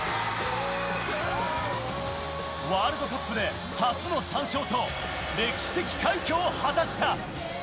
ワールドカップで初の３勝と、歴史的快挙を果たした。